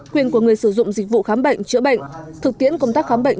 quyền của người sử dụng dịch vụ khám bệnh chữa bệnh thực tiễn công tác khám bệnh